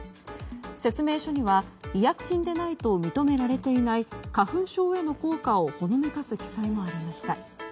説明書には医薬品でないと認められていない花粉症への効果をほのめかす記載もありました。